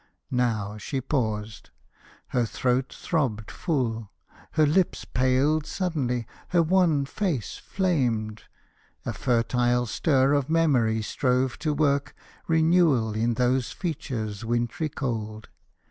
Now she paused; her throat throbbed full; Her lips paled suddenly, her wan face flamed, A fertile stir of memory strove to work Renewal in those features wintry cold.